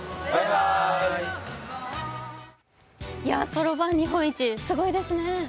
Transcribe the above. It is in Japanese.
そろばん日本一、すごいですね。